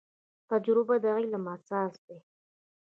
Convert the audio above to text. تجربه د علم اساس دی